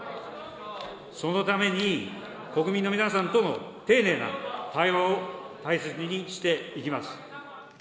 そのために、国民の皆さんとの丁寧な対話を大切にしていきます。